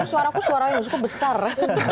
suara aku suaranya masuknya besar